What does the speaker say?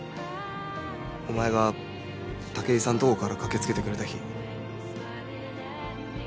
お前が武居さんのとこから駆け付けてくれた日。